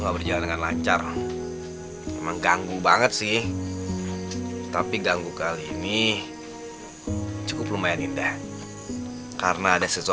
pemberi harapan palsu